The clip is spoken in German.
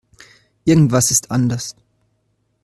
Irgendwas ist anders.